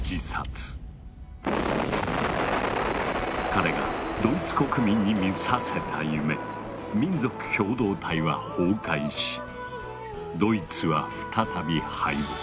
彼がドイツ国民に見させた夢民族共同体は崩壊しドイツは再び敗北。